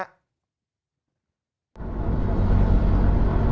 ก็ไม่ได้กระแจ